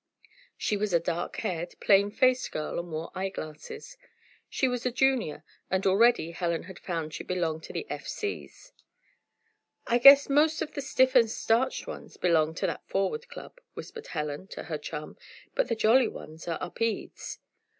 She was a dark haired, plain faced girl and wore eye glasses. She was a Junior and already Helen had found she belonged to the F. C.'s. "I guess most of the stiff and starched ones belong to that Forward Club," whispered Helen to her chum. "But the jolly ones are Upedes."